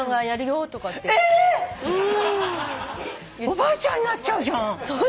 おばあちゃんになっちゃうじゃん。